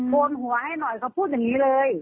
วนหัวให้หน่อยเขาพูดอย่างนี้เลย